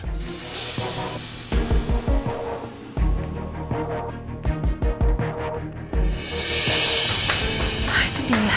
gue harus buru buru nih